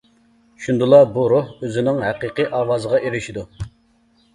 شۇندىلا، بۇ روھ ئۆزىنىڭ ھەقىقىي ئاۋازىغا ئېرىشىدۇ.